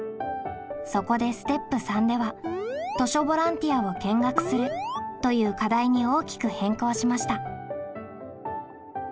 そこでステップ③では「図書ボランティアを見学する」という課題に大きく変更しました。